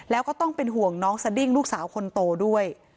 แล้วก็ต้องเป็นห่วงน้องสดิ้งลูกสาวคนโตด้วย